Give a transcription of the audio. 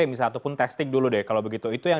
misal ataupun testing dulu deh kalau begitu itu yang